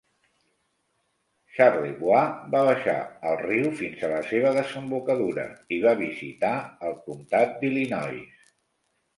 Charlevoix va baixar el riu fins a la seva desembocadura i va visitar el comtat d'Illinois.